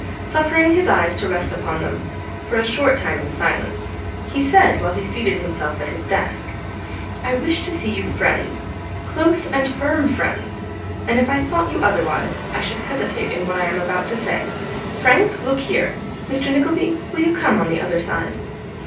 Suffering his eyes to rest upon them, for a short time in silence, he said, while he seated himself at his desk: 'I wish to see you friends close and firm friends and if I thought you otherwise, I should hesitate in what I am about to say. Frank, look here! Mr. Nickleby, will you come on the other side?